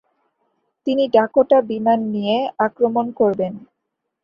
তিনি ডাকোটা বিমান নিয়ে আক্রমণ করবেন।